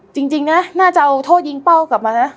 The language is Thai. จริงนะน่าจะเอาโทษยิงเป้ากลับมานะ